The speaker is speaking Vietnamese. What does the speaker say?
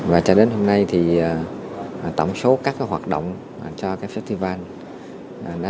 và cho đến hôm nay thì tổng số các hoạt động cho cái festival